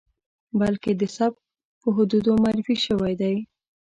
بلکې د سبک په حدودو کې معرفي شوی دی.